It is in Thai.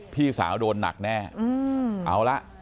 พี่สาวโดนหนักแน่เอาละ